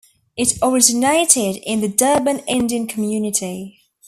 It originated in the Durban Indian community.